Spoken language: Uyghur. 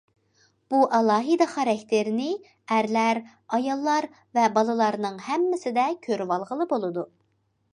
بۇ ئالاھىدە خاراكتېرنى ئەرلەر، ئاياللار ۋە بالىلارنىڭ ھەممىسىدە كۆرۈۋالغىلى بولىدۇ.